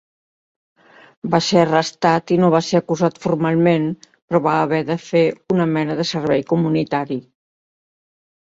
Va ser arrestat i no va ser acusat formalment, però va haver de fer una mena de servei comunitari.